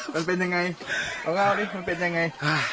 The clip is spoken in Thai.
มันเป็นยังไงเอาเล่าดิมันเป็นยังไง